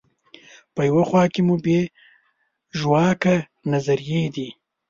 په یوه خوا کې مو بې ژواکه نظریې دي.